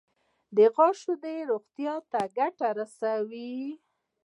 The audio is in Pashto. د غوا شیدې روغتیا ته ګټه رسوي.